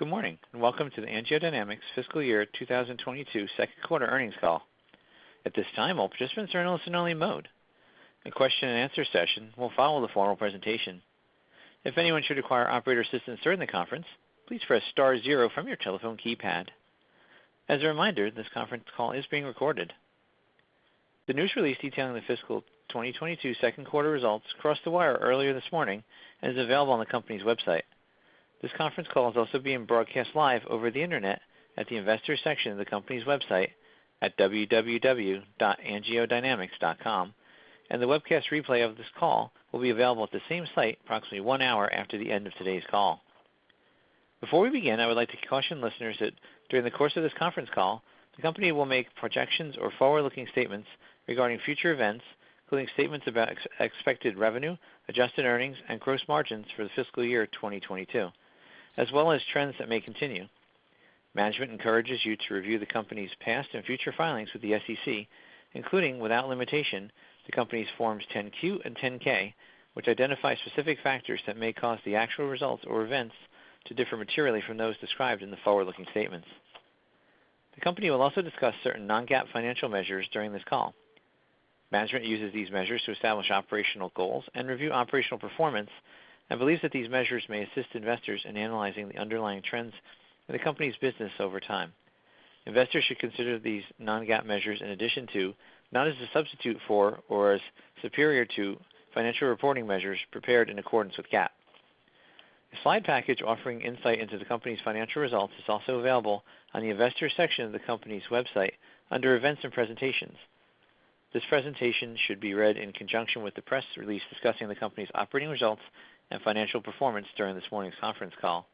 Good morning, and welcome to the AngioDynamics fiscal year 2022 second quarter earnings call. At this time, all participants are in listen-only mode. A question-and-answer session will follow the formal presentation. If anyone should require operator assistance during the conference, please press star zero from your telephone keypad. As a reminder, this conference call is being recorded. The news release detailing the fiscal 2022 second quarter results crossed the wire earlier this morning and is available on the company's website. This conference call is also being broadcast live over the internet at the Investors section of the company's website at www.angiodynamics.com, and the webcast replay of this call will be available at the same site approximately one hour after the end of today's call. Before we begin, I would like to caution listeners that during the course of this conference call, the company will make projections or forward-looking statements regarding future events, including statements about expected revenue, adjusted earnings, and gross margins for the fiscal year 2022, as well as trends that may continue. Management encourages you to review the company's past and future filings with the SEC, including without limitation the company's Forms 10-Q and 10-K, which identify specific factors that may cause the actual results or events to differ materially from those described in the forward-looking statements. The company will also discuss certain non-GAAP financial measures during this call. Management uses these measures to establish operational goals and review operational performance and believes that these measures may assist investors in analyzing the underlying trends in the company's business over time. Investors should consider these non-GAAP measures in addition to, not as a substitute for or as superior to financial reporting measures prepared in accordance with GAAP. A slide package offering insight into the company's financial results is also available on the Investors section of the company's website under Events and Presentations. This presentation should be read in conjunction with the press release discussing the company's operating results and financial performance during this morning's conference call.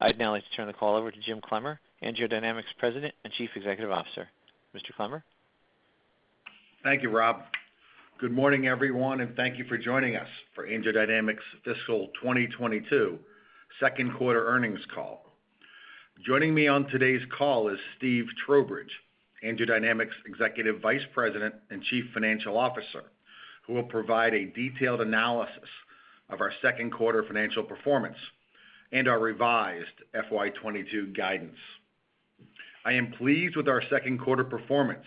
I'd now like to turn the call over to Jim Clemmer, AngioDynamics President and Chief Executive Officer. Mr. Clemmer? Thank you, Rob. Good morning, everyone, and thank you for joining us for AngioDynamics' fiscal 2022 second quarter earnings call. Joining me on today's call is Steve Trowbridge, AngioDynamics' Executive Vice President and Chief Financial Officer, who will provide a detailed analysis of our second quarter financial performance and our revised FY 2022 guidance. I am pleased with our second quarter performance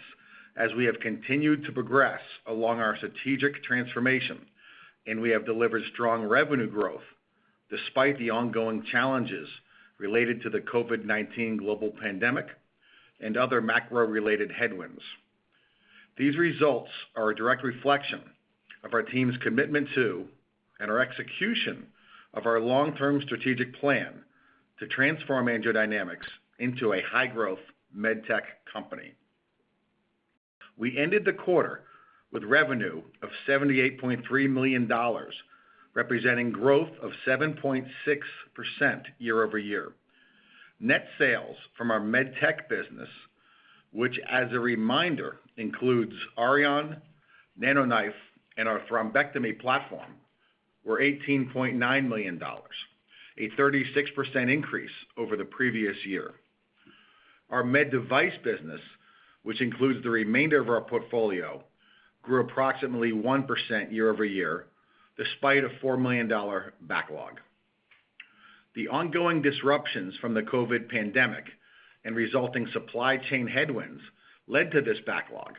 as we have continued to progress along our strategic transformation, and we have delivered strong revenue growth despite the ongoing challenges related to the COVID-19 global pandemic and other macro-related headwinds. These results are a direct reflection of our team's commitment to and our execution of our long-term strategic plan to transform AngioDynamics into a high-growth med tech company. We ended the quarter with revenue of $78.3 million, representing growth of 7.6% year-over-year. Net sales from our Med Tech business, which as a reminder includes Auryon, NanoKnife, and our thrombectomy platform, were $18.9 million, a 36% increase over the previous year. Our Med Device business, which includes the remainder of our portfolio, grew approximately 1% year-over-year despite a $4 million backlog. The ongoing disruptions from the COVID pandemic and resulting supply chain headwinds led to this backlog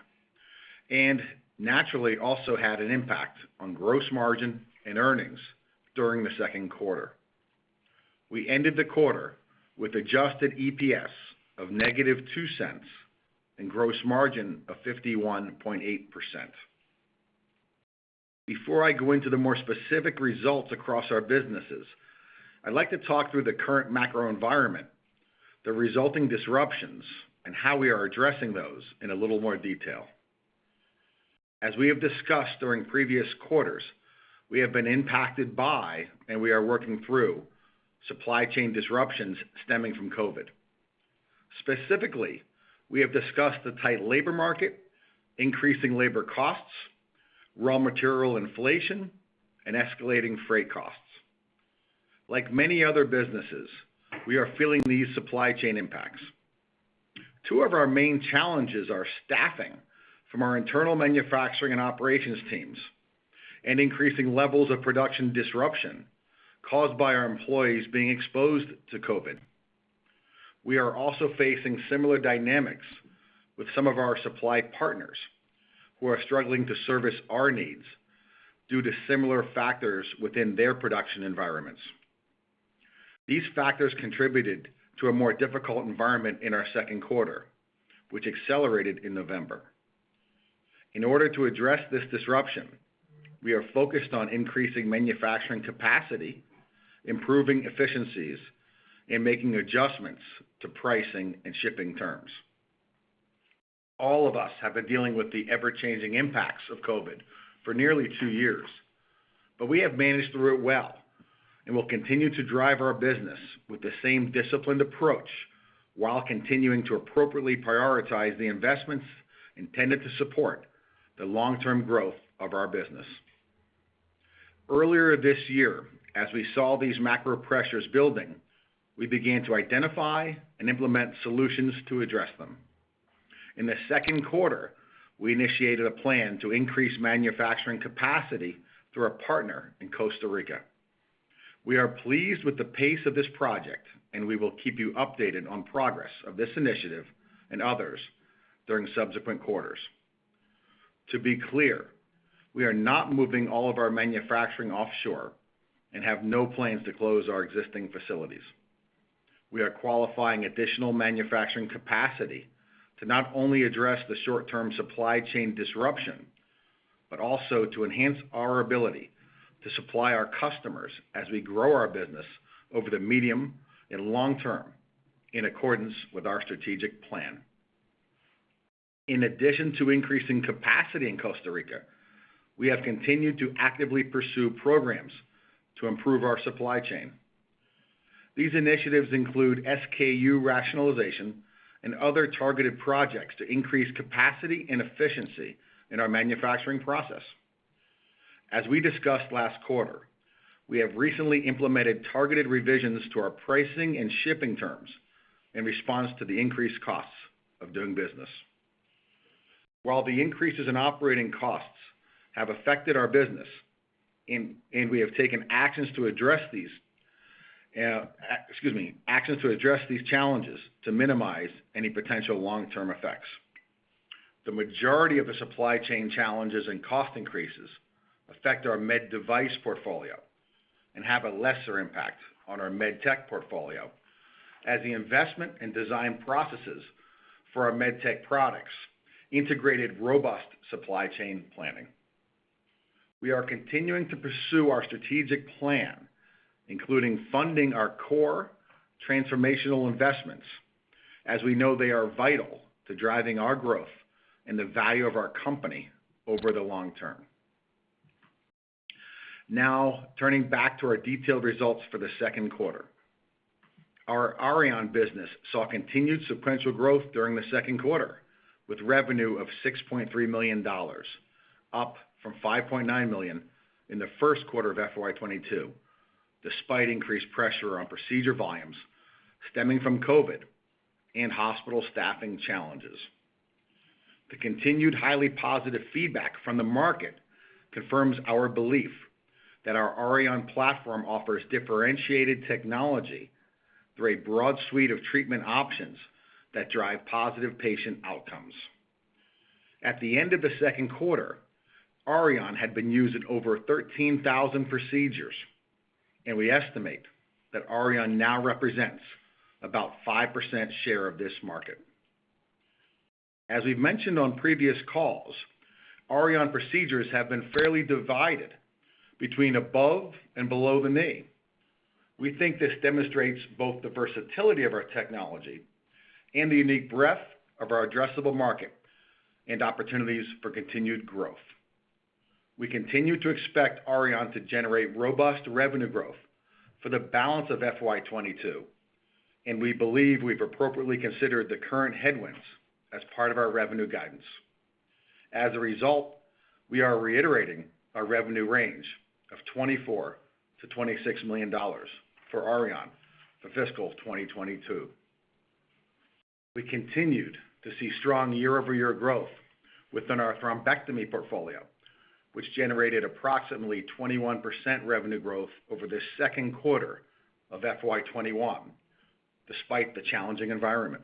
and naturally also had an impact on gross margin and earnings during the second quarter. We ended the quarter with adjusted EPS of -$0.02 and gross margin of 51.8%. Before I go into the more specific results across our businesses, I'd like to talk through the current macro environment, the resulting disruptions, and how we are addressing those in a little more detail. As we have discussed during previous quarters, we have been impacted by and we are working through supply chain disruptions stemming from COVID. Specifically, we have discussed the tight labor market, increasing labor costs, raw material inflation, and escalating freight costs. Like many other businesses, we are feeling these supply chain impacts. Two of our main challenges are staffing from our internal manufacturing and operations teams and increasing levels of production disruption caused by our employees being exposed to COVID. We are also facing similar dynamics with some of our supply partners who are struggling to service our needs due to similar factors within their production environments. These factors contributed to a more difficult environment in our second quarter, which accelerated in November. In order to address this disruption, we are focused on increasing manufacturing capacity, improving efficiencies, and making adjustments to pricing and shipping terms. All of us have been dealing with the ever-changing impacts of COVID for nearly two years, but we have managed through it well and will continue to drive our business with the same disciplined approach while continuing to appropriately prioritize the investments intended to support the long-term growth of our business. Earlier this year, as we saw these macro pressures building, we began to identify and implement solutions to address them. In the second quarter, we initiated a plan to increase manufacturing capacity through a partner in Costa Rica. We are pleased with the pace of this project, and we will keep you updated on progress of this initiative and others during subsequent quarters. To be clear, we are not moving all of our manufacturing offshore and have no plans to close our existing facilities. We are qualifying additional manufacturing capacity to not only address the short-term supply chain disruption, but also to enhance our ability to supply our customers as we grow our business over the medium and long term in accordance with our strategic plan. In addition to increasing capacity in Costa Rica, we have continued to actively pursue programs to improve our supply chain. These initiatives include SKU rationalization and other targeted projects to increase capacity and efficiency in our manufacturing process. As we discussed last quarter, we have recently implemented targeted revisions to our pricing and shipping terms in response to the increased costs of doing business. While the increases in operating costs have affected our business and we have taken actions to address these challenges to minimize any potential long-term effects. The majority of the supply chain challenges and cost increases affect our Med Device portfolio and have a lesser impact on our Med Tech portfolio as the investment and design processes for our Med Tech products integrated robust supply chain planning. We are continuing to pursue our strategic plan, including funding our core transformational investments as we know they are vital to driving our growth and the value of our company over the long term. Now, turning back to our detailed results for the second quarter. Our Auryon business saw continued sequential growth during the second quarter, with revenue of $6.3 million, up from $5.9 million in the first quarter of FY 2022, despite increased pressure on procedure volumes stemming from COVID and hospital staffing challenges. The continued highly positive feedback from the market confirms our belief that our Auryon platform offers differentiated technology through a broad suite of treatment options that drive positive patient outcomes. At the end of the second quarter, Auryon had been used in over 13,000 procedures, and we estimate that Auryon now represents about 5% share of this market. As we've mentioned on previous calls, Auryon procedures have been fairly divided between above and below the knee. We think this demonstrates both the versatility of our technology and the unique breadth of our addressable market and opportunities for continued growth. We continue to expect Auryon to generate robust revenue growth for the balance of FY 2022, and we believe we've appropriately considered the current headwinds as part of our revenue guidance. As a result, we are reiterating our revenue range of $24 million-$26 million for Auryon for FY 2022. We continued to see strong year-over-year growth within our thrombectomy portfolio, which generated approximately 21% revenue growth over the second quarter of FY 2021, despite the challenging environment.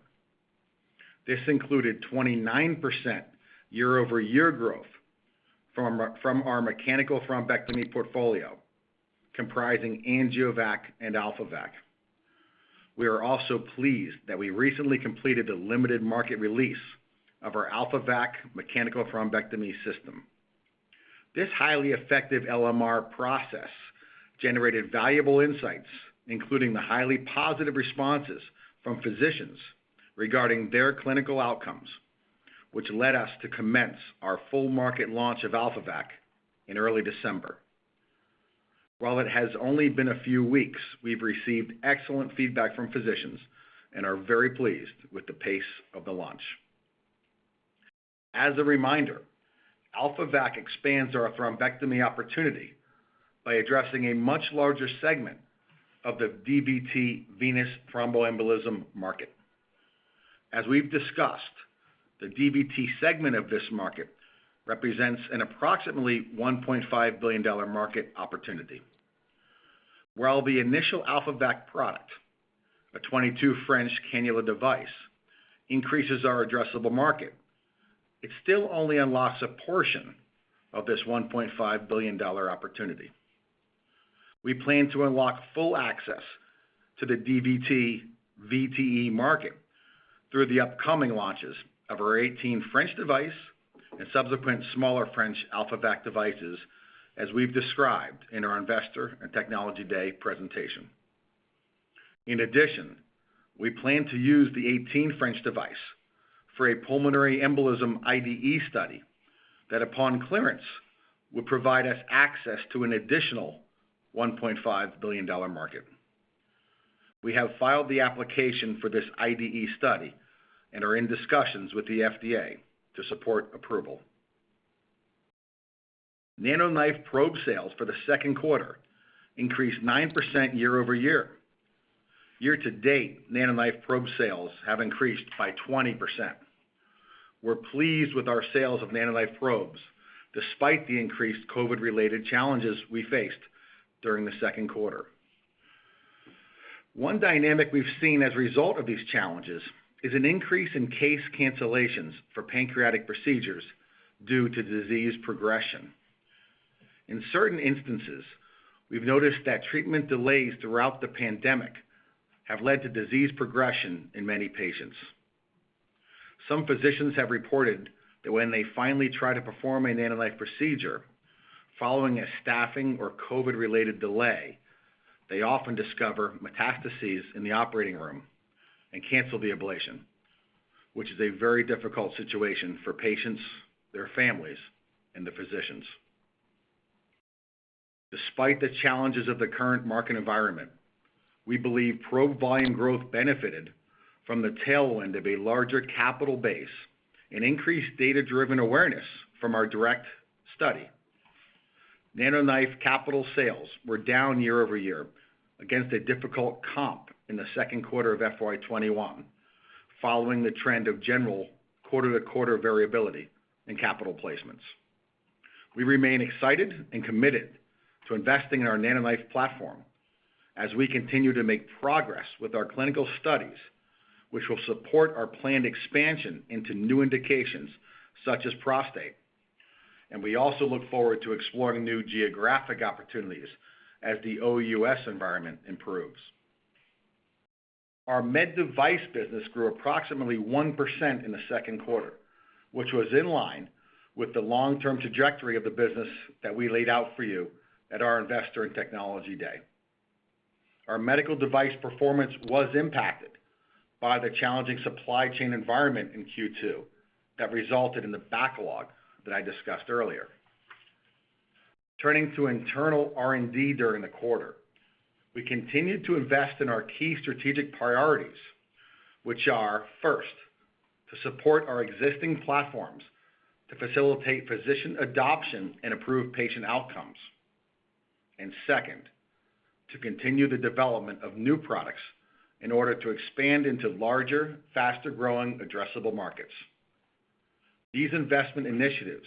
This included 29% year-over-year growth from our mechanical thrombectomy portfolio comprising AngioVac and AlphaVac. We are also pleased that we recently completed the limited market release of our AlphaVac mechanical thrombectomy system. This highly effective LMR process generated valuable insights, including the highly positive responses from physicians regarding their clinical outcomes, which led us to commence our full market launch of AlphaVac in early December. While it has only been a few weeks, we've received excellent feedback from physicians and are very pleased with the pace of the launch. As a reminder, AlphaVac expands our thrombectomy opportunity by addressing a much larger segment of the DVT venous thromboembolism market. As we've discussed, the DVT segment of this market represents an approximately $1.5 billion market opportunity. While the initial AlphaVac product, a 22 French cannula device, increases our addressable market, it still only unlocks a portion of this $1.5 billion opportunity. We plan to unlock full access to the DVT VTE market through the upcoming launches of our 18 French device and subsequent smaller French AlphaVac devices, as we've described in our Investor and Technology Day presentation. In addition, we plan to use the 18 French device for a pulmonary embolism IDE study that, upon clearance, will provide us access to an additional $1.5 billion market. We have filed the application for this IDE study and are in discussions with the FDA to support approval. NanoKnife probe sales for the second quarter increased 9% year-over-year. Year to date, NanoKnife probe sales have increased by 20%. We're pleased with our sales of NanoKnife probes despite the increased COVID-related challenges we faced during the second quarter. One dynamic we've seen as a result of these challenges is an increase in case cancellations for pancreatic procedures due to disease progression. In certain instances, we've noticed that treatment delays throughout the pandemic have led to disease progression in many patients. Some physicians have reported that when they finally try to perform a NanoKnife procedure following a staffing or COVID-related delay, they often discover metastases in the operating room and cancel the ablation, which is a very difficult situation for patients, their families, and the physicians. Despite the challenges of the current market environment, we believe probe volume growth benefited from the tailwind of a larger capital base and increased data-driven awareness from our DIRECT study. NanoKnife capital sales were down year over year against a difficult comp in the second quarter of FY 2021, following the trend of general quarter-to-quarter variability in capital placements. We remain excited and committed to investing in our NanoKnife platform as we continue to make progress with our clinical studies, which will support our planned expansion into new indications such as prostate. We also look forward to exploring new geographic opportunities as the OUS environment improves. Our Med Device business grew approximately 1% in the second quarter, which was in line with the long-term trajectory of the business that we laid out for you at our Investor and Technology Day. Our Med Device performance was impacted by the challenging supply chain environment in Q2 that resulted in the backlog that I discussed earlier. Turning to internal R&D during the quarter. We continued to invest in our key strategic priorities, which are, first, to support our existing platforms to facilitate physician adoption and improve patient outcomes. Second, to continue the development of new products in order to expand into larger, faster-growing addressable markets. These investment initiatives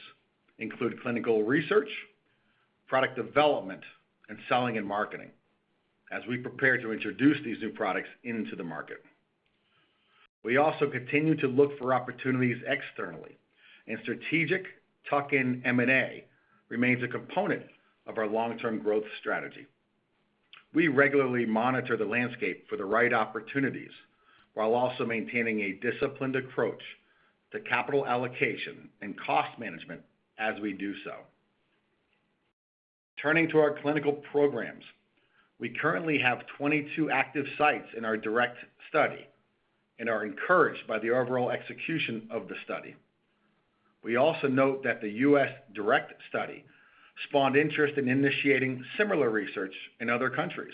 include clinical research, product development, and selling and marketing as we prepare to introduce these new products into the market. We also continue to look for opportunities externally, and strategic tuck-in M&A remains a component of our long-term growth strategy. We regularly monitor the landscape for the right opportunities while also maintaining a disciplined approach to capital allocation and cost management as we do so. Turning to our clinical programs. We currently have 22 active sites in our DIRECT study and are encouraged by the overall execution of the study. We also note that the U.S. DIRECT study spawned interest in initiating similar research in other countries.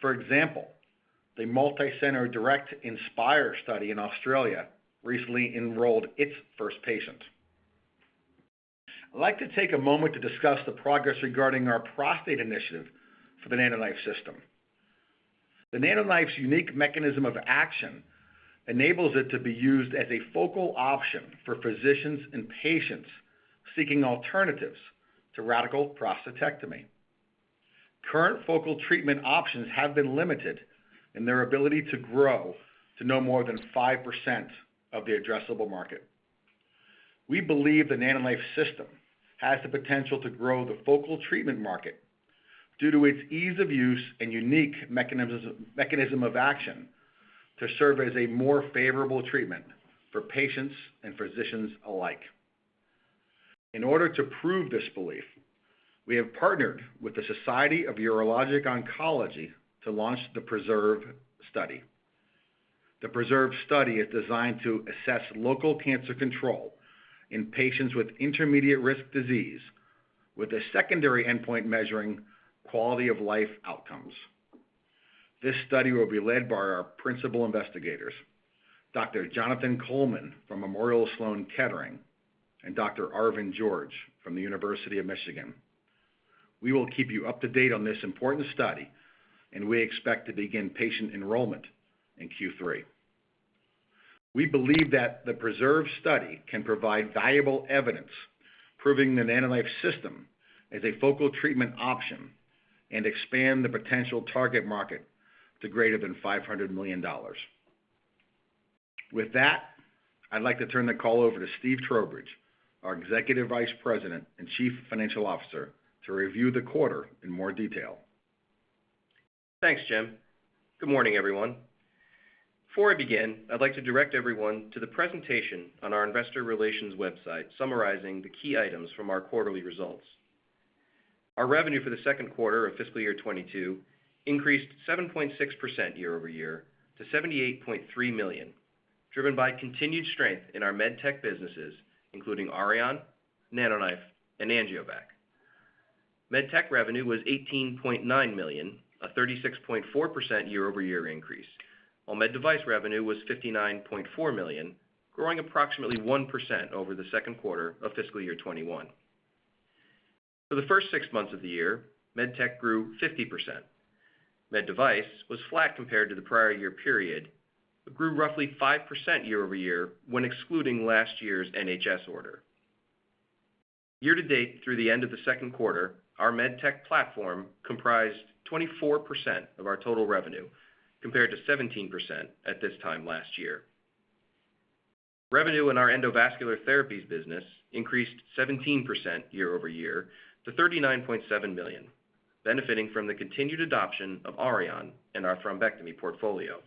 For example, the multi-center DIRECT-InspIRE study in Australia recently enrolled its first patient. I'd like to take a moment to discuss the progress regarding our prostate initiative for the NanoKnife system. The NanoKnife's unique mechanism of action enables it to be used as a focal option for physicians and patients seeking alternatives to radical prostatectomy. Current focal treatment options have been limited in their ability to grow to no more than 5% of the addressable market. We believe the NanoKnife system has the potential to grow the focal treatment market due to its ease of use and unique mechanism of action to serve as a more favorable treatment for patients and physicians alike. In order to prove this belief, we have partnered with the Society of Urologic Oncology to launch the PRESERVE study. The PRESERVE study is designed to assess local cancer control in patients with intermediate risk disease, with a secondary endpoint measuring quality of life outcomes. This study will be led by our principal investigators, Dr. Jonathan Coleman from Memorial Sloan Kettering and Dr. Arvin George from the University of Michigan. We will keep you up to date on this important study, and we expect to begin patient enrollment in Q3. We believe that the PRESERVE study can provide valuable evidence proving the NanoKnife system as a focal treatment option and expand the potential target market to greater than $500 million. With that, I'd like to turn the call over to Steve Trowbridge, our Executive Vice President and Chief Financial Officer, to review the quarter in more detail. Thanks, Jim. Good morning, everyone. Before I begin, I'd like to direct everyone to the presentation on our investor relations website summarizing the key items from our quarterly results. Our revenue for the second quarter of fiscal year 2022 increased 7.6% year-over-year to $78.3 million, driven by continued strength in our MedTech businesses, including Auryon, NanoKnife and AngioVac. MedTech revenue was $18.9 million, a 36.4% year-over-year increase, while Med Device revenue was $59.4 million, growing approximately 1% over the second quarter of fiscal year 2021. For the first six months of the year, MedTech grew 50%. Med Device was flat compared to the prior year period, but grew roughly 5% year-over-year when excluding last year's NHS order. Year to date through the end of the second quarter, our Med Tech platform comprised 24% of our total revenue, compared to 17% at this time last year. Revenue in our endovascular therapies business increased 17% year-over-year to $39.7 million, benefiting from the continued adoption of Auryon in our thrombectomy portfolio.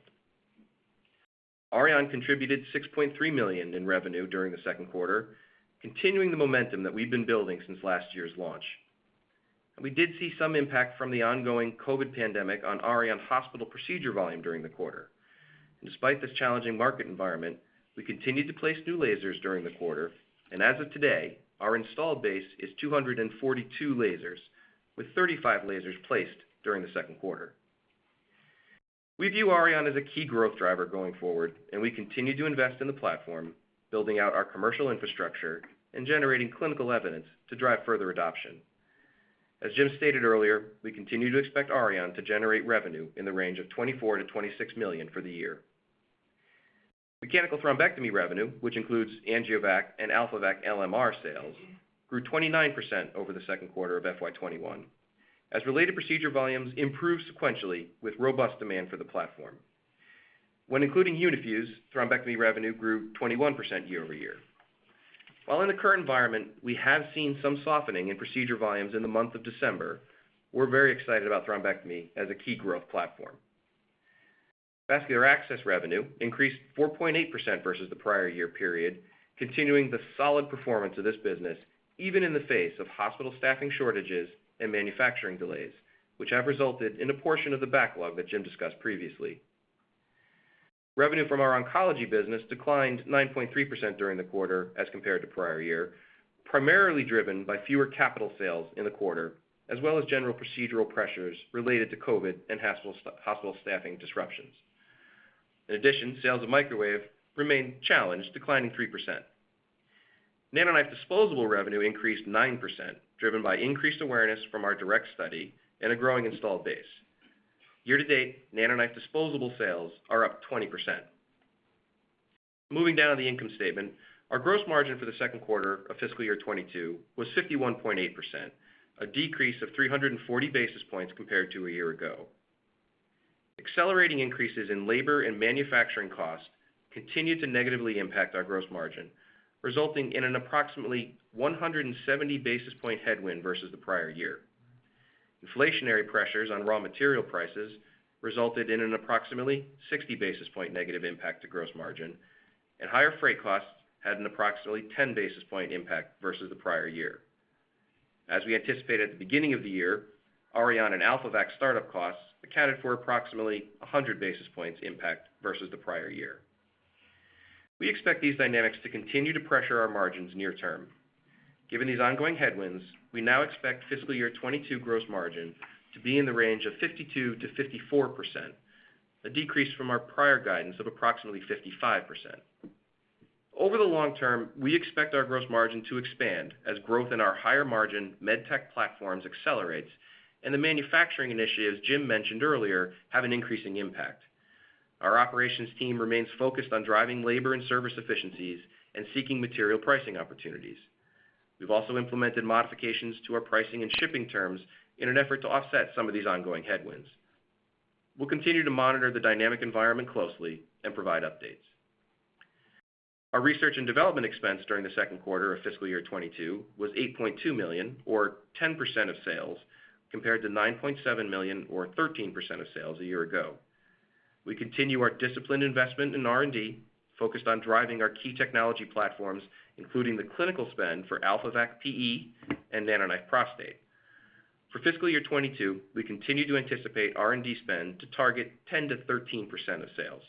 Auryon contributed $6.3 million in revenue during the second quarter, continuing the momentum that we've been building since last year's launch. We did see some impact from the ongoing COVID pandemic on Auryon hospital procedure volume during the quarter. Despite this challenging market environment, we continued to place new lasers during the quarter, and as of today, our installed base is 242 lasers with 35 lasers placed during the second quarter. We view Auryon as a key growth driver going forward, and we continue to invest in the platform, building out our commercial infrastructure and generating clinical evidence to drive further adoption. As Jim stated earlier, we continue to expect Auryon to generate revenue in the range of $24 million-$26 million for the year. Mechanical thrombectomy revenue, which includes AngioVac and AlphaVac LMR sales, grew 29% over the second quarter of FY 2021 as related procedure volumes improved sequentially with robust demand for the platform. When including Uni-Fuse, thrombectomy revenue grew 21% year over year. While in the current environment, we have seen some softening in procedure volumes in the month of December, we're very excited about thrombectomy as a key growth platform. Vascular access revenue increased 4.8% versus the prior year period, continuing the solid performance of this business, even in the face of hospital staffing shortages and manufacturing delays, which have resulted in a portion of the backlog that Jim discussed previously. Revenue from our oncology business declined 9.3% during the quarter as compared to prior year, primarily driven by fewer capital sales in the quarter, as well as general procedural pressures related to COVID and hospital staffing disruptions. In addition, sales of microwave remained challenged, declining 3%. NanoKnife disposable revenue increased 9%, driven by increased awareness from our DIRECT study and a growing installed base. Year to date, NanoKnife disposable sales are up 20%. Moving down to the income statement, our gross margin for the second quarter of fiscal year 2022 was 51.8%, a decrease of 340 basis points compared to a year ago. Accelerating increases in labor and manufacturing costs continued to negatively impact our gross margin, resulting in an approximately 170 basis point headwind versus the prior year. Inflationary pressures on raw material prices resulted in an approximately 60 basis point negative impact to gross margin, and higher freight costs had an approximately 10 basis point impact versus the prior year. As we anticipated at the beginning of the year, Auryon and AlphaVac startup costs accounted for approximately 100 basis points impact versus the prior year. We expect these dynamics to continue to pressure our margins near term. Given these ongoing headwinds, we now expect fiscal year 2022 gross margin to be in the range of 52%-54%, a decrease from our prior guidance of approximately 55%. Over the long term, we expect our gross margin to expand as growth in our higher margin Med Tech platforms accelerates and the manufacturing initiatives Jim mentioned earlier have an increasing impact. Our operations team remains focused on driving labor and service efficiencies and seeking material pricing opportunities. We've also implemented modifications to our pricing and shipping terms in an effort to offset some of these ongoing headwinds. We'll continue to monitor the dynamic environment closely and provide updates. Our research and development expense during the second quarter of fiscal year 2022 was $8.2 million or 10% of sales, compared to $9.7 million or 13% of sales a year ago. We continue our disciplined investment in R&D focused on driving our key technology platforms, including the clinical spend for AlphaVac PE and NanoKnife Prostate. For fiscal year 2022, we continue to anticipate R&D spend to target 10%-13% of sales.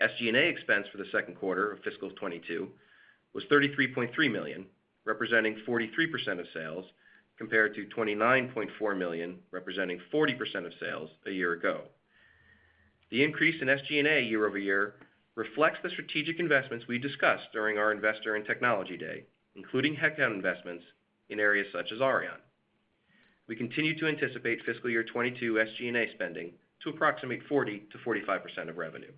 SG&A expense for the second quarter of fiscal 2022 was $33.3 million, representing 43% of sales, compared to $29.4 million, representing 40% of sales a year ago. The increase in SG&A year over year reflects the strategic investments we discussed during our Investor and Technology Day, including headcount investments in areas such as Auryon. We continue to anticipate fiscal year 2022 SG&A spending to approximate 40%-45% of revenue.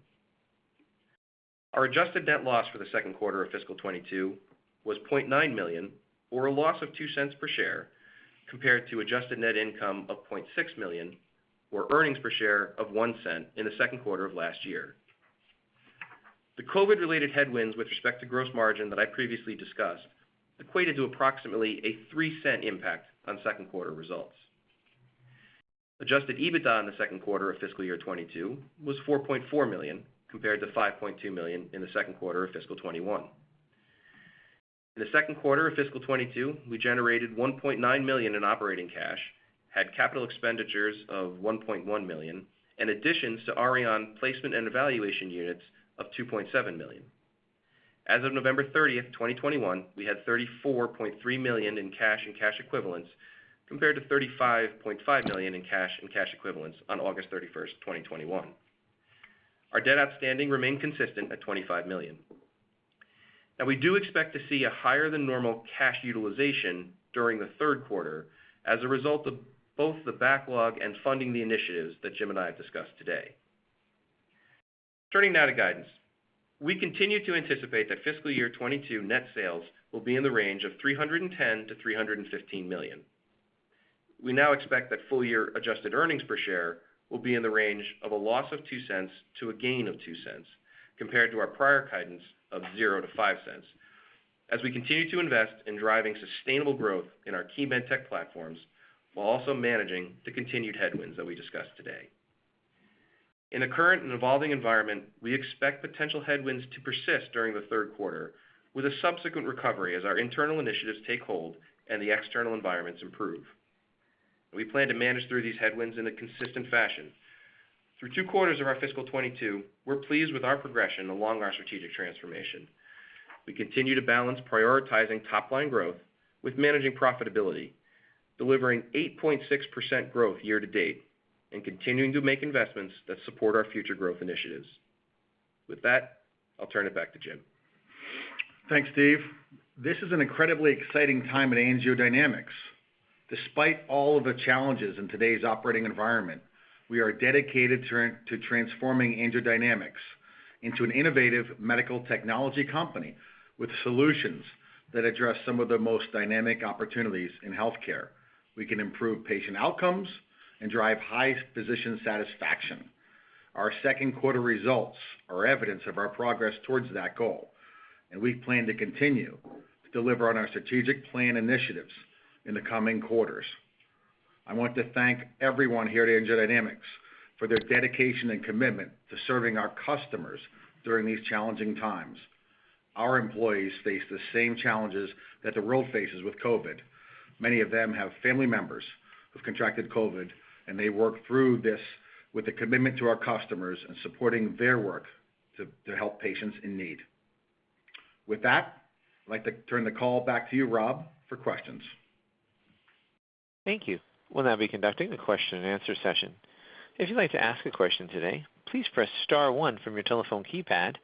Our adjusted net loss for the second quarter of fiscal 2022 was $0.9 million or a loss of $0.02 per share, compared to adjusted net income of $0.6 million or earnings per share of $0.01 in the second quarter of last year. The COVID-related headwinds with respect to gross margin that I previously discussed equated to approximately a $0.03 impact on second quarter results. Adjusted EBITDA in the second quarter of fiscal year 2022 was $4.4 million, compared to $5.2 million in the second quarter of fiscal 2021. In the second quarter of fiscal 2022, we generated $1.9 million in operating cash, had capital expenditures of $1.1 million and additions to Auryon placement and evaluation units of $2.7 million. As of November 30th, 2021, we had $34.3 million in cash and cash equivalents compared to $35.5 million in cash and cash equivalents on August 31st, 2021. Our debt outstanding remained consistent at $25 million. We do expect to see a higher than normal cash utilization during the third quarter as a result of both the backlog and funding the initiatives that Jim and I have discussed today. Turning now to guidance. We continue to anticipate that fiscal 2022 net sales will be in the range of $310 million-$315 million. We now expect that full year adjusted earnings per share will be in the range of -$0.02 to +$0.02, compared to our prior guidance of $0.00-$0.05. As we continue to invest in driving sustainable growth in our key Med Tech platforms, while also managing the continued headwinds that we discussed today. In the current and evolving environment, we expect potential headwinds to persist during the third quarter with a subsequent recovery as our internal initiatives take hold and the external environments improve. We plan to manage through these headwinds in a consistent fashion. Through two quarters of our fiscal 2022, we're pleased with our progression along our strategic transformation. We continue to balance prioritizing top-line growth with managing profitability, delivering 8.6% growth year to date and continuing to make investments that support our future growth initiatives. With that, I'll turn it back to Jim. Thanks, Steve. This is an incredibly exciting time at AngioDynamics. Despite all of the challenges in today's operating environment, we are dedicated to transforming AngioDynamics into an innovative medical technology company with solutions that address some of the most dynamic opportunities in healthcare. We can improve patient outcomes and drive high physician satisfaction. Our second quarter results are evidence of our progress towards that goal, and we plan to continue to deliver on our strategic plan initiatives in the coming quarters. I want to thank everyone here at AngioDynamics for their dedication and commitment to serving our customers during these challenging times. Our employees face the same challenges that the world faces with COVID. Many of them have family members who've contracted COVID, and they work through this with a commitment to our customers and supporting their work to help patients in need. With that, I'd like to turn the call back to you, Rob, for questions. Thank you. We'll now be conducting the question-and-answer session. If you'd like to ask a question today, please press star one from your telephone keypad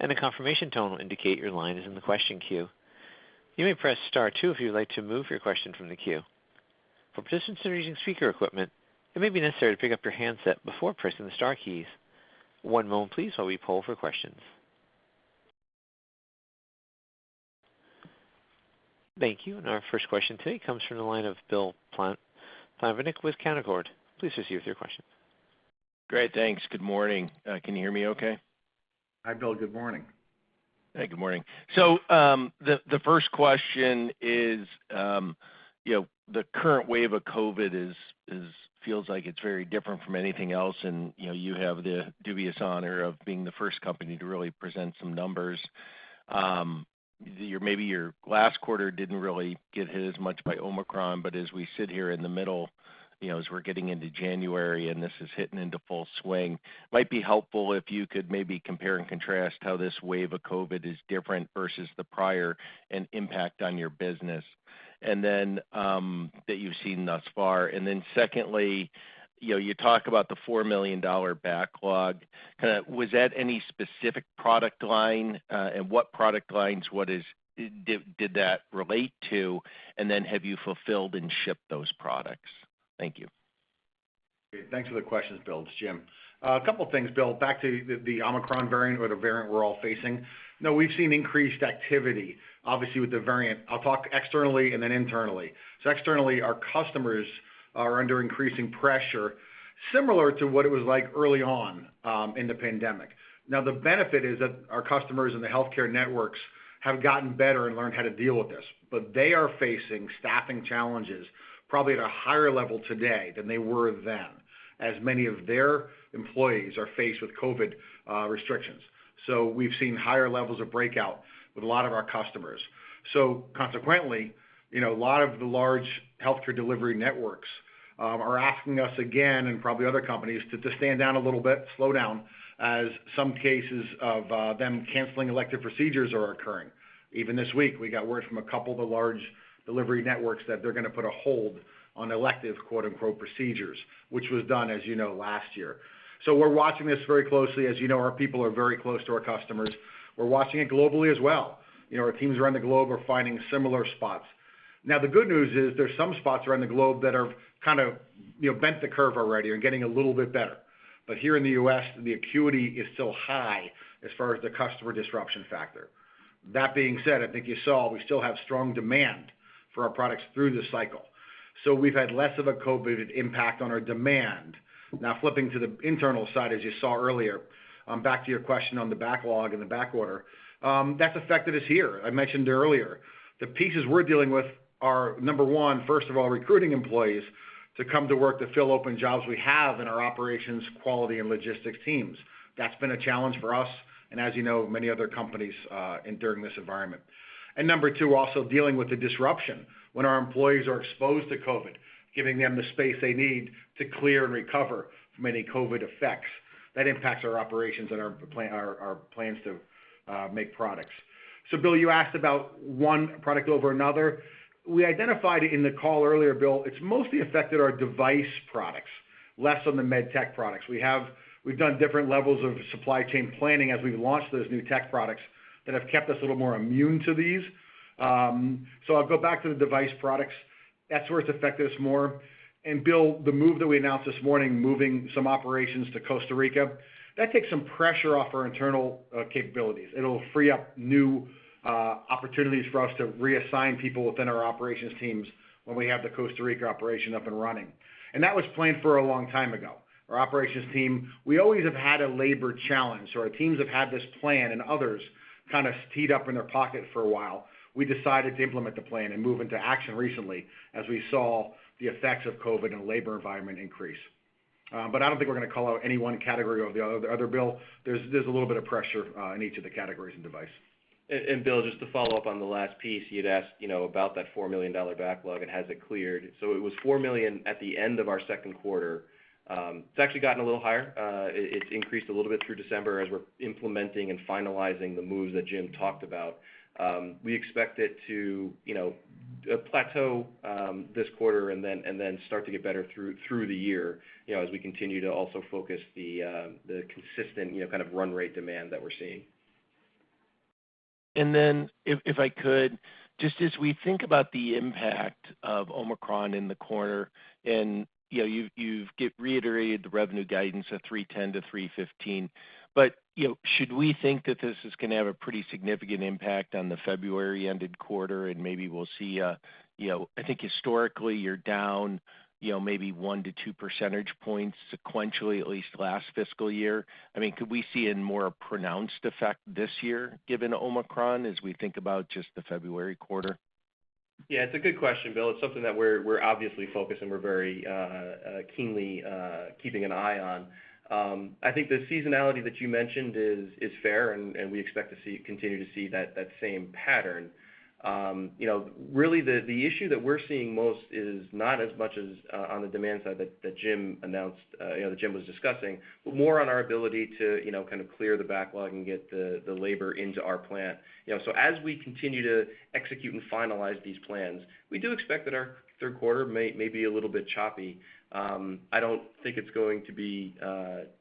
and a confirmation tone will indicate your line is in the question queue. You may press star two if you would like to move your question from the queue. For participants that are using speaker equipment, it may be necessary to pick up your handset before pressing the star keys. One moment please while we poll for questions. Thank you. Our first question today comes from the line of Bill Plovanic with Canaccord. Please proceed with your question. Great. Thanks. Good morning. Can you hear me okay? Hi, Bill. Good morning. Hey, good morning. The first question is, you know, the current wave of COVID feels like it's very different from anything else and, you know, you have the dubious honor of being the first company to really present some numbers. Maybe your last quarter didn't really get hit as much by Omicron, but as we sit here in the middle, you know, as we're getting into January and this is hitting into full swing, might be helpful if you could maybe compare and contrast how this wave of COVID is different versus the prior and impact on your business that you've seen thus far. Secondly, you know, you talk about the $4 million backlog. Kinda, was that any specific product line, and what product lines did that relate to? Have you fulfilled and shipped those products? Thank you. Great. Thanks for the questions, Bill. It's Jim. A couple things, Bill, back to the Omicron variant or the variant we're all facing. Now we've seen increased activity, obviously with the variant. I'll talk externally and then internally. Externally, our customers are under increasing pressure, similar to what it was like early on in the pandemic. Now, the benefit is that our customers in the healthcare networks have gotten better and learned how to deal with this. They are facing staffing challenges probably at a higher level today than they were then, as many of their employees are faced with COVID restrictions. We've seen higher levels of breakout with a lot of our customers. Consequently, you know, a lot of the large healthcare delivery networks are asking us again, and probably other companies, to stand down a little bit, slow down, as some cases of them canceling elective procedures are occurring. Even this week, we got word from a couple of the large delivery networks that they're gonna put a hold on elective, quote-unquote, procedures, which was done, as you know, last year. We're watching this very closely. As you know, our people are very close to our customers. We're watching it globally as well. You know, our teams around the globe are finding similar spots. Now, the good news is there's some spots around the globe that are kind of, you know, bent the curve already or getting a little bit better. Here in the U.S., the acuity is still high as far as the customer disruption factor. That being said, I think you saw we still have strong demand for our products through this cycle. We've had less of a COVID impact on our demand. Now flipping to the internal side, as you saw earlier, back to your question on the backlog and the backorder, that's affected us here. I mentioned earlier, the pieces we're dealing with are, number one, first of all, recruiting employees to come to work to fill open jobs we have in our operations, quality and logistics teams. That's been a challenge for us, and as you know, many other companies enduring this environment. Number two, also dealing with the disruption when our employees are exposed to COVID, giving them the space they need to clear and recover from any COVID effects. That impacts our operations and our plans to make products. Bill, you asked about one product over another. We identified in the call earlier, Bill, it's mostly affected our Med Device products, less on the Med Tech products. We've done different levels of supply chain planning as we've launched those new tech products that have kept us a little more immune to these. I'll go back to the Med Device products. That's where it's affected us more. Bill, the move that we announced this morning, moving some operations to Costa Rica, that takes some pressure off our internal capabilities. It'll free up new opportunities for us to reassign people within our operations teams when we have the Costa Rica operation up and running. That was planned for a long time ago. Our operations team, we always have had a labor challenge, so our teams have had this plan and others kind of teed up in their pocket for a while. We decided to implement the plan and move into action recently as we saw the effects of COVID and labor environment increase. I don't think we're going to call out any one category over the other, Bill. There's a little bit of pressure in each of the categories in device. Bill, just to follow up on the last piece. You'd asked, you know, about that $4 million backlog and has it cleared. It was $4 million at the end of our second quarter. It's actually gotten a little higher. It's increased a little bit through December as we're implementing and finalizing the moves that Jim talked about. We expect it to, you know, plateau this quarter and then start to get better through the year, you know, as we continue to also focus the consistent, you know, kind of run rate demand that we're seeing. If I could, just as we think about the impact of Omicron in the quarter, and, you know, you've reiterated the revenue guidance of $310-$315. You know, should we think that this is going to have a pretty significant impact on the February-ended quarter and maybe we'll see, you know, I think historically you're down, you know, maybe 1-2 percentage points sequentially, at least last fiscal year. I mean, could we see a more pronounced effect this year given Omicron as we think about just the February quarter? Yeah, it's a good question, Bill. It's something that we're obviously focused and we're very keenly keeping an eye on. I think the seasonality that you mentioned is fair, and we expect to continue to see that same pattern. You know, really the issue that we're seeing most is not as much on the demand side that Jim was discussing, but more on our ability to kind of clear the backlog and get the labor into our plant. You know, so as we continue to execute and finalize these plans, we do expect that our third quarter may be a little bit choppy. I don't think it's going to be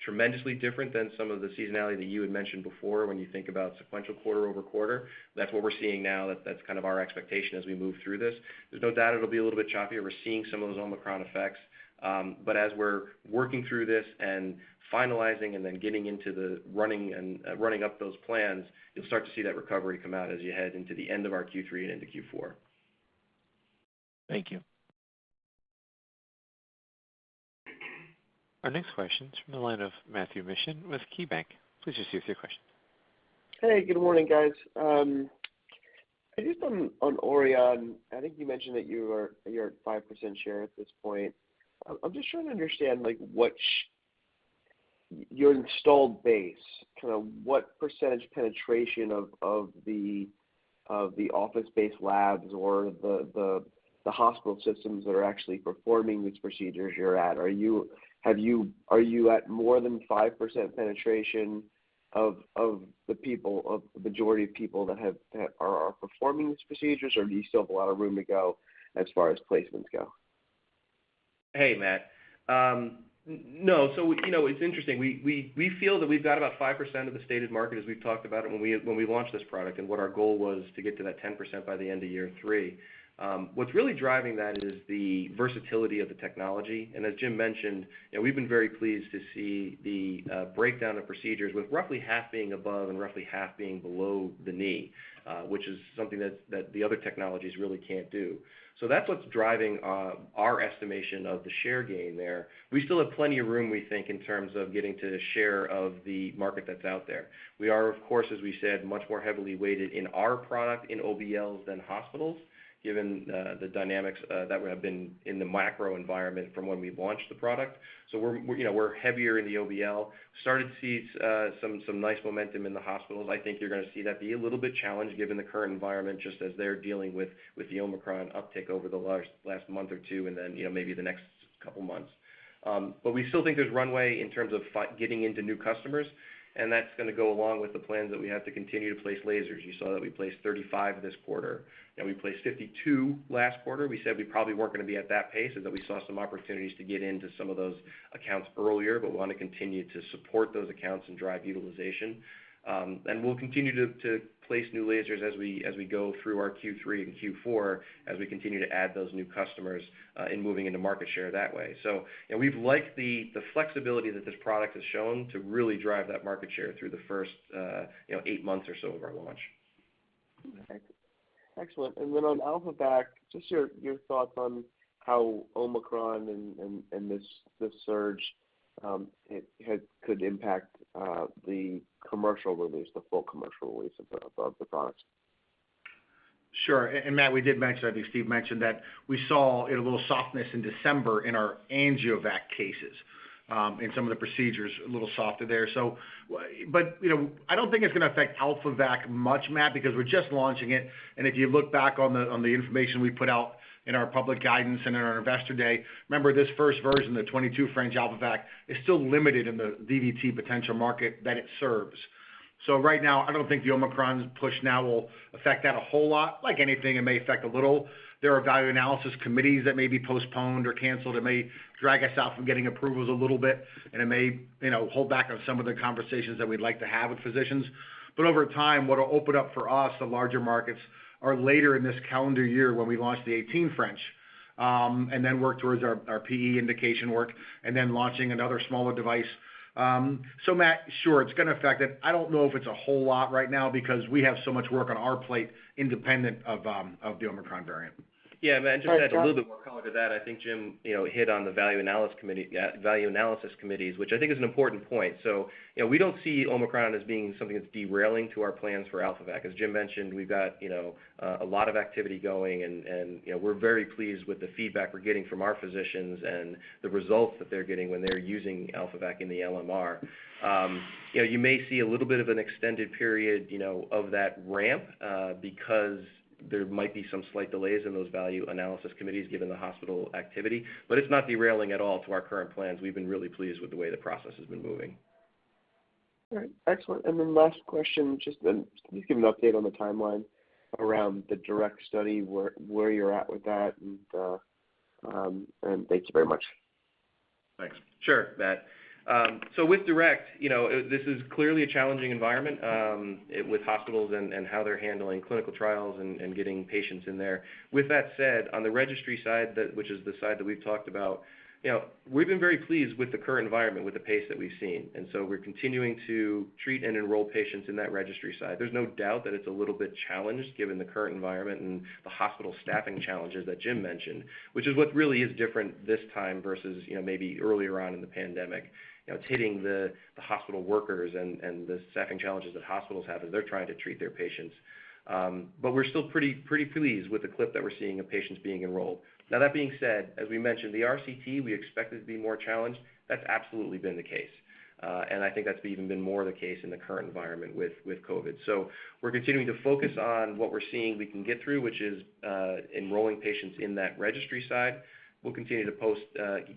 tremendously different than some of the seasonality that you had mentioned before when you think about sequential quarter-over-quarter. That's what we're seeing now. That's kind of our expectation as we move through this. There's no doubt it'll be a little bit choppy. We're seeing some of those Omicron effects. As we're working through this and finalizing and then getting into the running up those plans, you'll start to see that recovery come out as you head into the end of our Q3 and into Q4. Thank you. Our next question is from the line of Matthew Mishan with KeyBanc. Please just give us your question. Hey, good morning, guys. Just on Auryon, I think you mentioned that you're at 5% share at this point. I'm just trying to understand, like, your installed base, kind of what percentage penetration of the office-based labs or the hospital systems that are actually performing these procedures you're at. Are you at more than 5% penetration of the people, of the majority of people that are performing these procedures, or do you still have a lot of room to go as far as placements go? Hey, Matt. No. You know, it's interesting. We feel that we've got about 5% of the stated market as we've talked about it when we launched this product, and what our goal was to get to that 10% by the end of year three. What's really driving that is the versatility of the technology. As Jim mentioned, you know, we've been very pleased to see the breakdown of procedures, with roughly half being above and roughly half being below the knee, which is something that the other technologies really can't do. That's what's driving our estimation of the share gain there. We still have plenty of room, we think, in terms of getting to the share of the market that's out there. We are, of course, as we said, much more heavily weighted in our product in OBLs than hospitals, given the dynamics that have been in the macro environment from when we launched the product. You know, we're heavier in the OBL. Started to see some nice momentum in the hospitals. I think you're going to see that be a little bit challenged given the current environment, just as they're dealing with the Omicron uptick over the last month or two and then, you know, maybe the next couple months. We still think there's runway in terms of getting into new customers, and that's going to go along with the plans that we have to continue to place lasers. You saw that we placed 35 this quarter, and we placed 52 last quarter. We said we probably weren't going to be at that pace, and that we saw some opportunities to get into some of those accounts earlier. We want to continue to support those accounts and drive utilization. We'll continue to place new lasers as we go through our Q3 and Q4, as we continue to add those new customers in moving into market share that way. You know, we've liked the flexibility that this product has shown to really drive that market share through the first, you know, eight months or so of our launch. Okay. Excellent. On AlphaVac, just your thoughts on how Omicron and this surge could impact the full commercial release of the products. Sure. Matt, we did mention, I think Steve mentioned that we saw a little softness in December in our AngioVac cases, in some of the procedures, a little softer there. You know, I don't think it's going to affect AlphaVac much, Matt, because we're just launching it. If you look back on the information we put out in our public guidance and in our Investor Day, remember, this first version, the 22 French AlphaVac, is still limited in the DVT potential market that it serves. Right now, I don't think the Omicron push now will affect that a whole lot. Like anything, it may affect a little. There are value analysis committees that may be postponed or canceled. It may drag us out from getting approvals a little bit, and it may, you know, hold back on some of the conversations that we'd like to have with physicians. Over time, what'll open up for us, the larger markets, are later in this calendar year when we launch the 18 French, and then work towards our PE indication work and then launching another smaller device. Matt, sure, it's gonna affect it. I don't know if it's a whole lot right now because we have so much work on our plate independent of the Omicron variant. Yeah. Just to add a little bit more color to that, I think Jim, you know, hit on the value analysis committees, which I think is an important point. You know, we don't see Omicron as being something that's derailing to our plans for AlphaVac. As Jim mentioned, we've got, you know, a lot of activity going and you know, we're very pleased with the feedback we're getting from our physicians and the results that they're getting when they're using AlphaVac in the LMR. You know, you may see a little bit of an extended period, you know, of that ramp, because there might be some slight delays in those value analysis committees given the hospital activity. It's not derailing at all to our current plans. We've been really pleased with the way the process has been moving. All right. Excellent. Last question, just can you give an update on the timeline around the DIRECT study, where you're at with that. Thank you very much. Thanks. Sure, Matt. So with DIRECT, you know, this is clearly a challenging environment, with hospitals and how they're handling clinical trials and getting patients in there. With that said, on the registry side, which is the side that we've talked about, you know, we've been very pleased with the current environment, with the pace that we've seen. We're continuing to treat and enroll patients in that registry side. There's no doubt that it's a little bit challenged given the current environment and the hospital staffing challenges that Jim mentioned, which is what really is different this time versus, you know, maybe earlier on in the pandemic. You know, it's hitting the hospital workers and the staffing challenges that hospitals have as they're trying to treat their patients. We're still pretty pleased with the clip that we're seeing of patients being enrolled. Now that being said, as we mentioned, the RCT, we expect it to be more challenged. That's absolutely been the case. I think that's even been more the case in the current environment with COVID. We're continuing to focus on what we're seeing we can get through, which is enrolling patients in that registry side. We'll continue to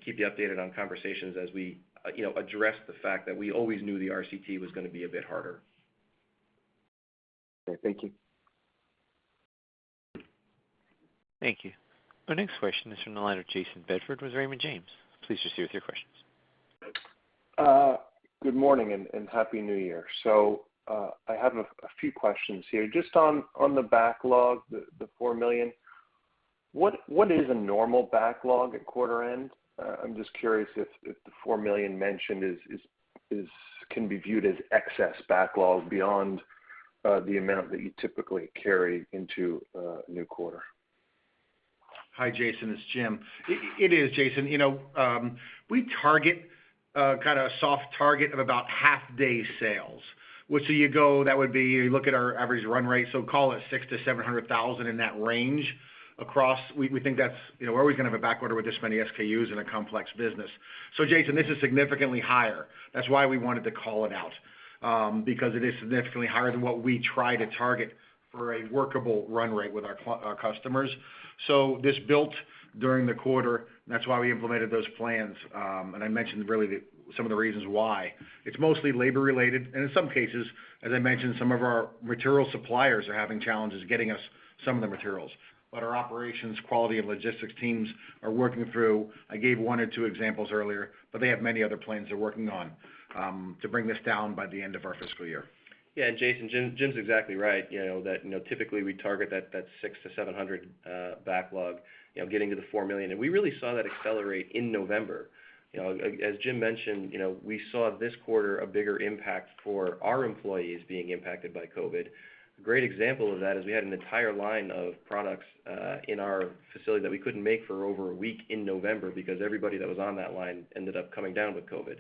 keep you updated on conversations as we, you know, address the fact that we always knew the RCT was gonna be a bit harder. Okay. Thank you. Thank you. Our next question is from the line of Jayson Bedford with Raymond James. Please proceed with your questions. Good morning and Happy New Year. I have a few questions here. Just on the backlog, the $4 million. What is a normal backlog at quarter end? I'm just curious if the $4 million mentioned can be viewed as excess backlog beyond the amount that you typically carry into a new quarter. Hi, Jayson, it's Jim. It is, Jayson. You know, we target kind of a soft target of about half day sales, which, so you go, that would be you look at our average run rate, so call it $600,000-$700,000 in that range across. We think that's. You know, we're always gonna have a backorder with this many SKUs in a complex business. Jayson, this is significantly higher. That's why we wanted to call it out, because it is significantly higher than what we try to target for a workable run rate with our customers. This built during the quarter, and that's why we implemented those plans. I mentioned really some of the reasons why. It's mostly labor related, and in some cases, as I mentioned, some of our material suppliers are having challenges getting us some of the materials. Our operations, quality, and logistics teams are working through. I gave one or two examples earlier, but they have many other plans they're working on, to bring this down by the end of our fiscal year. Yeah. Jayson, Jim's exactly right. You know, typically we target that 600-700 backlog, you know, getting to the $4 million. We really saw that accelerate in November. You know, as Jim mentioned, you know, we saw this quarter a bigger impact for our employees being impacted by COVID. A great example of that is we had an entire line of products in our facility that we couldn't make for over a week in November because everybody that was on that line ended up coming down with COVID.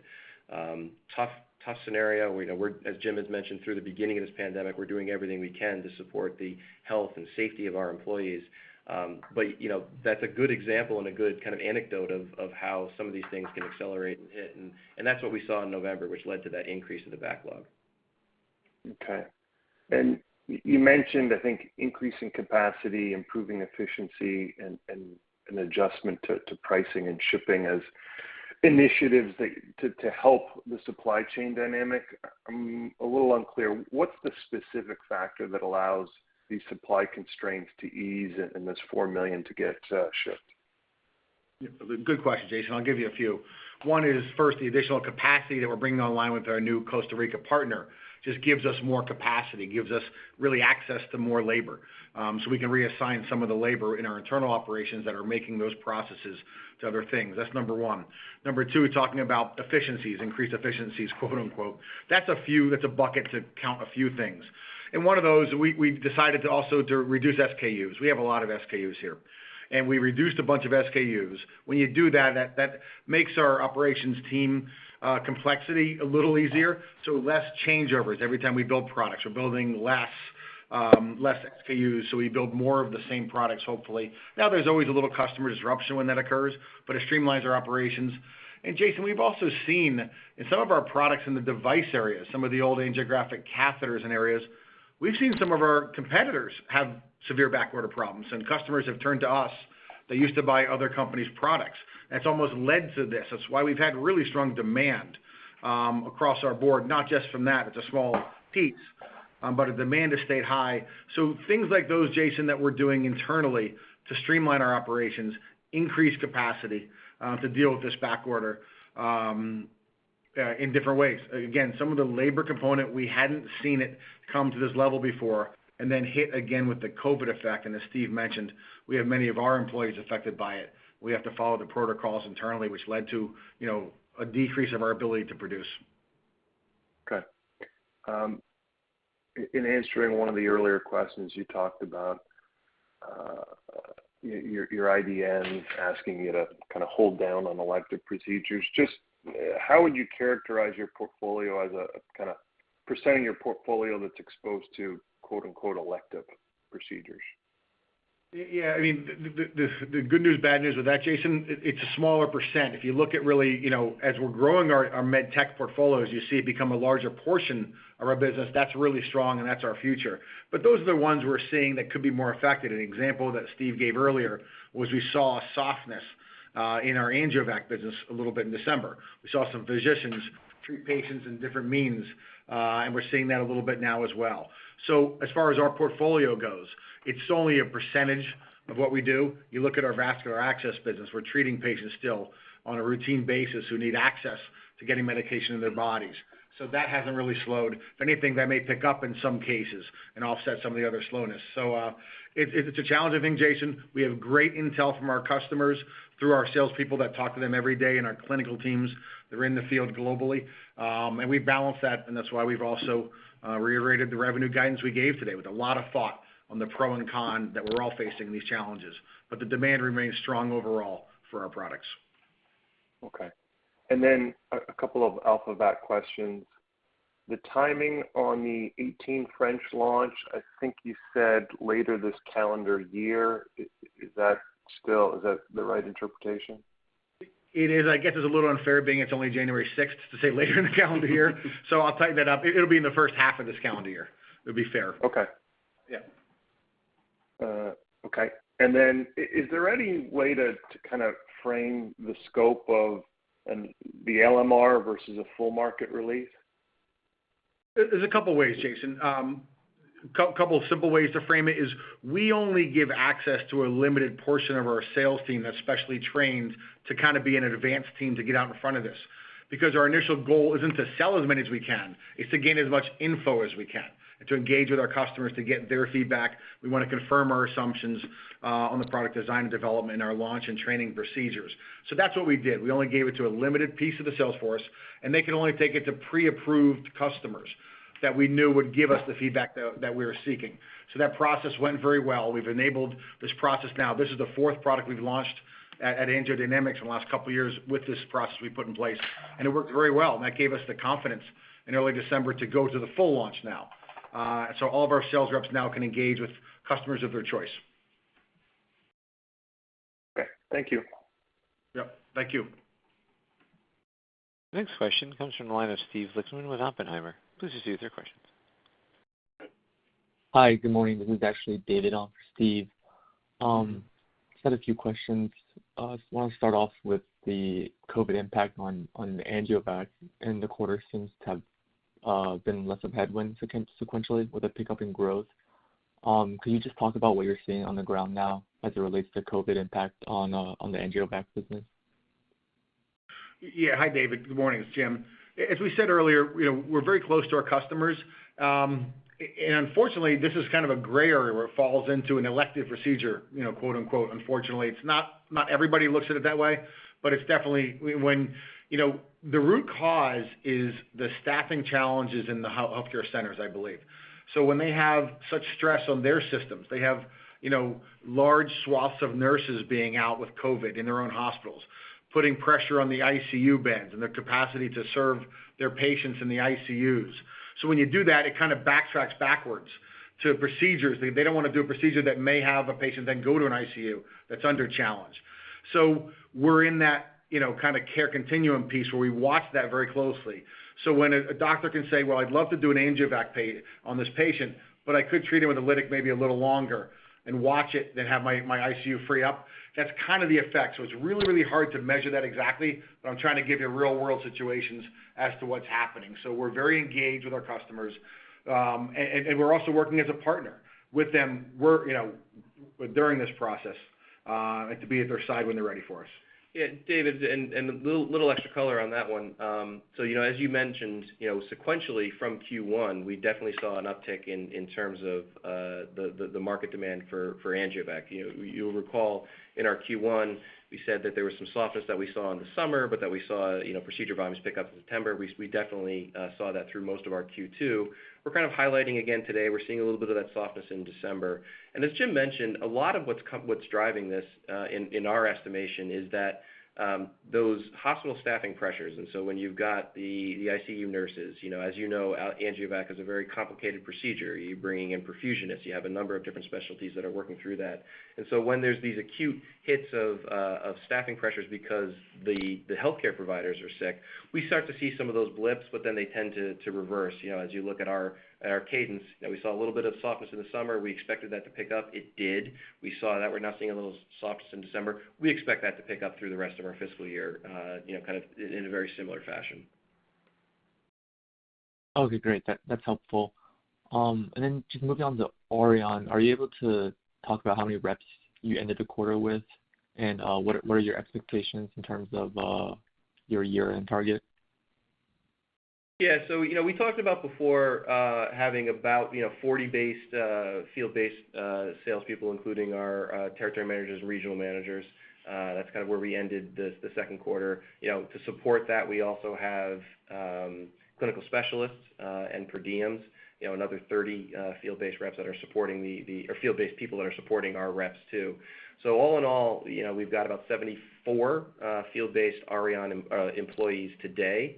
Tough scenario. You know, as Jim has mentioned through the beginning of this pandemic, we're doing everything we can to support the health and safety of our employees. You know, that's a good example and a good kind of anecdote of how some of these things can accelerate and hit. That's what we saw in November, which led to that increase in the backlog. Okay. You mentioned, I think, increasing capacity, improving efficiency, and an adjustment to pricing and shipping as initiatives to help the supply chain dynamic. I'm a little unclear. What's the specific factor that allows these supply constraints to ease and this $4 million to get shipped? Good question, Jayson. I'll give you a few. One is, first, the additional capacity that we're bringing online with our new Costa Rica partner just gives us more capacity, gives us really access to more labor, so we can reassign some of the labor in our internal operations that are making those processes to other things. That's number one. Number two, talking about efficiencies, increased "efficiencies", quote unquote. That's a bucket to count a few things. In one of those, we've decided to also reduce SKUs. We have a lot of SKUs here, and we reduced a bunch of SKUs. When you do that makes our operations team complexity a little easier, so less changeovers every time we build products. We're building less SKUs, so we build more of the same products, hopefully. Now, there's always a little customer disruption when that occurs, but it streamlines our operations. Jayson, we've also seen in some of our products in the device area, some of the old angiographic catheters and areas, we've seen some of our competitors have severe backorder problems, and customers have turned to us. They used to buy other companies' products. That's almost led to this. That's why we've had really strong demand across the board, not just from that, it's a small piece, but the demand has stayed high. Things like those, Jayson, that we're doing internally to streamline our operations, increase capacity to deal with this backorder in different ways. Again, some of the labor component, we hadn't seen it come to this level before, and then hit again with the COVID effect. As Steve mentioned, we have many of our employees affected by it. We have to follow the protocols internally, which led to, you know, a decrease of our ability to produce. Okay. In answering one of the earlier questions, you talked about your IDN asking you to kind of hold down on elective procedures. Just how would you characterize your portfolio as a kind of % of your portfolio that's exposed to, quote unquote, "elective procedures"? Yeah, I mean, the good news, bad news with that, Jayson, it's a smaller percent. If you look at really, you know, as we're growing our Med Tech portfolios, you see it become a larger portion of our business. That's really strong, and that's our future. But those are the ones we're seeing that could be more affected. An example that Steve gave earlier was we saw a softness in our AngioVac business a little bit in December. We saw some physicians treat patients in different means, and we're seeing that a little bit now as well. So as far as our portfolio goes, it's only a percentage of what we do. You look at our vascular access business, we're treating patients still on a routine basis who need access to getting medication in their bodies. So that hasn't really slowed. If anything, that may pick up in some cases and offset some of the other slowness. It's a challenging thing, Jayson. We have great intel from our customers through our salespeople that talk to them every day and our clinical teams that are in the field globally. We balance that, and that's why we've also reiterated the revenue guidance we gave today with a lot of thought on the pro and con that we're all facing these challenges. The demand remains strong overall for our products. Okay. A couple of AlphaVac questions. The timing on the 18 French launch, I think you said later this calendar year. Is that still the right interpretation? It is. I guess it's a little unfair because it's only January 6th to say later in the calendar year. So I'll tighten that up. It'll be in the first half of this calendar year. It'll be fair. Okay. Yeah. Is there any way to kind of frame the scope of the LMR versus a full market release? There's a couple ways, Jayson. A couple of simple ways to frame it is we only give access to a limited portion of our sales team that's specially trained to kind of be an advanced team to get out in front of this. Because our initial goal isn't to sell as many as we can, it's to gain as much info as we can and to engage with our customers to get their feedback. We want to confirm our assumptions on the product design and development and our launch and training procedures. That's what we did. We only gave it to a limited piece of the sales force, and they can only take it to pre-approved customers that we knew would give us the feedback that we were seeking. That process went very well. We've enabled this process now. This is the fourth product we've launched at AngioDynamics in the last couple of years with this process we put in place, and it worked very well. That gave us the confidence in early December to go to the full launch now. All of our sales reps now can engage with customers of their choice. Okay. Thank you. Yep. Thank you. Next question comes from the line of Steven Lichtman with Oppenheimer. Please proceed with your questions. Hi. Good morning. This is actually David on for Steve. Just had a few questions. Just want to start off with the COVID impact on the AngioVac, and the quarter seems to have been less of a headwind sequentially with a pickup in growth. Can you just talk about what you're seeing on the ground now as it relates to COVID impact on the AngioVac business? Hi, David. Good morning. It's Jim. As we said earlier, you know, we're very close to our customers. And fortunately, this is kind of a gray area where it falls into an elective procedure, you know, quote unquote, unfortunately. It's not everybody looks at it that way, but it's definitely when you know, the root cause is the staffing challenges in the healthcare centers, I believe. When they have such stress on their systems, they have, you know, large swaths of nurses being out with COVID in their own hospitals, putting pressure on the ICU beds and their capacity to serve their patients in the ICUs. When you do that, it kind of backtracks backwards to procedures. They don't want to do a procedure that may have a patient then go to an ICU that's under challenge. We're in that, you know, kind of care continuum piece where we watch that very closely. When a doctor can say, "Well, I'd love to do an AngioVac on this patient, but I could treat it with a lytic maybe a little longer and watch it, then have my ICU free up," that's kind of the effect. It's really hard to measure that exactly, but I'm trying to give you real-world situations as to what's happening. We're very engaged with our customers, and we're also working as a partner with them you know, during this process, and to be at their side when they're ready for us. Yeah, David, a little extra color on that one. You know, as you mentioned, you know, sequentially from Q1, we definitely saw an uptick in terms of the market demand for AngioVac. You know, you'll recall in our Q1, we said that there was some softness that we saw in the summer, but that we saw, you know, procedure volumes pick up in September. We definitely saw that through most of our Q2. We're kind of highlighting again today, we're seeing a little bit of that softness in December. As Jim mentioned, a lot of what's driving this in our estimation is that those hospital staffing pressures. When you've got the ICU nurses, you know, as you know, AngioVac is a very complicated procedure. You're bringing in perfusionists. You have a number of different specialties that are working through that. When there's these acute hits of staffing pressures because the healthcare providers are sick, we start to see some of those blips, but then they tend to reverse. You know, as you look at our cadence, you know, we saw a little bit of softness in the summer. We expected that to pick up. It did. We saw that. We're now seeing a little softness in December. We expect that to pick up through the rest of our fiscal year, you know, kind of in a very similar fashion. Okay, great. That's helpful. Then just moving on to Auryon. Are you able to talk about how many reps you ended the quarter with? And what are your expectations in terms of your year-end target? Yeah. You know, we talked about before, having about 40 field-based salespeople, including our territory managers and regional managers. That's kind of where we ended the second quarter. You know, to support that, we also have clinical specialists and per diems, you know, another 30 field-based reps that are supporting field-based people that are supporting our reps too. All in all, you know, we've got about 74 field-based Auryon employees today.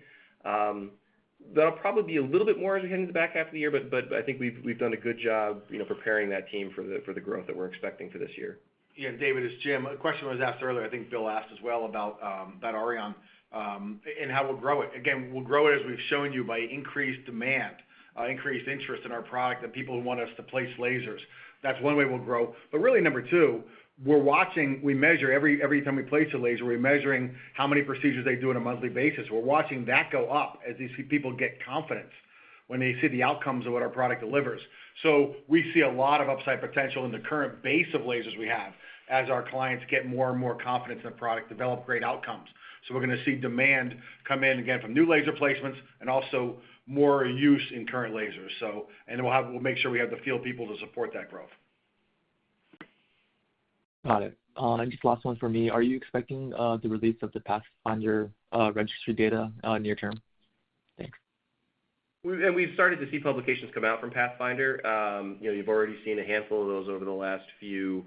There'll probably be a little bit more as we get into the back half of the year, but I think we've done a good job, you know, preparing that team for the growth that we're expecting for this year. Yeah. David, it's Jim. A question was asked earlier, I think Bill asked as well, about that Auryon and how we'll grow it. Again, we'll grow it as we've shown you by increased demand, increased interest in our product, the people who want us to place lasers. That's one way we'll grow. But really, number two, we're watching. We measure every time we place a laser, we're measuring how many procedures they do on a monthly basis. We're watching that go up as these people get confidence when they see the outcomes of what our product delivers. We see a lot of upside potential in the current base of lasers we have as our clients get more and more confidence in the product, develop great outcomes. We're gonna see demand come in, again, from new laser placements and also more use in current lasers. We'll make sure we have the field people to support that growth. Got it. Just last one from me. Are you expecting the release of the PATHFINDER registry data near term? Thanks. We've started to see publications come out from PATHFINDER. You know, you've already seen a handful of those over the last few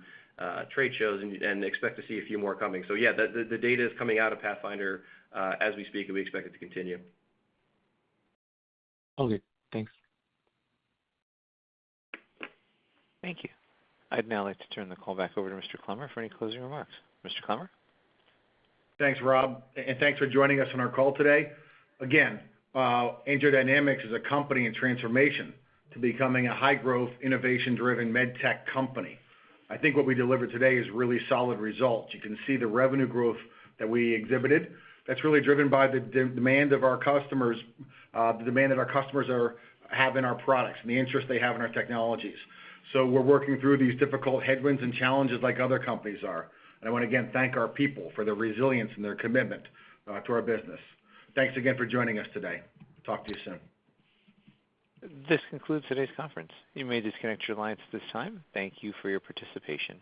trade shows and expect to see a few more coming. Yeah, the data is coming out of PATHFINDER as we speak, and we expect it to continue. Okay, thanks. Thank you. I'd now like to turn the call back over to Mr. Clemmer for any closing remarks. Mr. Clemmer? Thanks, Rob, and thanks for joining us on our call today. Again, AngioDynamics is a company in transformation to becoming a high-growth, innovation-driven med tech company. I think what we delivered today is really solid results. You can see the revenue growth that we exhibited. That's really driven by the demand of our customers, the demand that our customers have in our products and the interest they have in our technologies. We're working through these difficult headwinds and challenges like other companies are. I wanna again thank our people for their resilience and their commitment to our business. Thanks again for joining us today. Talk to you soon. This concludes today's conference. You may disconnect your lines at this time. Thank you for your participation.